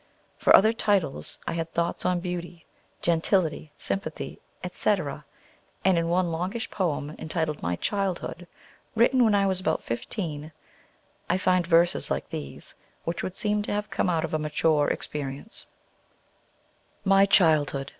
For other titles I had "Thoughts on Beauty;" "Gentility;" "Sympathy," etc. And in one longish poem, entitled "My Childhood" (written when I was about fifteen), I find verses like these, which would seem to have come out of a mature experience: My childhood!